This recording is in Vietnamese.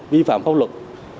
vi phạm phong luật